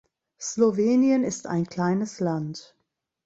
Slowenien ist ein kleines Land.